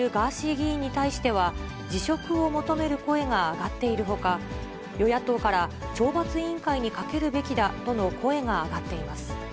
議員に対しては、辞職を求める声が上がっているほか、与野党から懲罰委員会にかけるべきだとの声が上がっています。